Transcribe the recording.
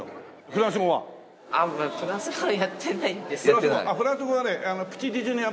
さらにフランス語はね。